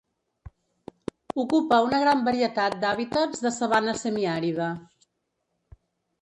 Ocupa una gran varietat d'hàbitats de sabana semiàrida.